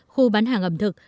khu bán hàng ẩm thực